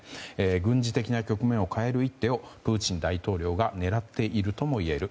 軍事的な局面を変える一手をプーチン大統領が狙っているともいえる。